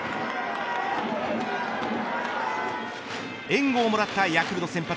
援護をもらったヤクルト先発